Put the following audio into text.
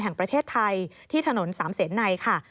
แห่งประเทศไทยที่ถนน๓เสนไหนค่ะ